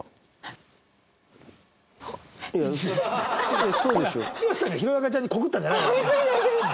違う剛さんが弘中ちゃんに告ったんじゃないからね。